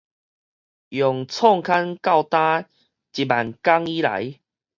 用創刊到今一萬工以來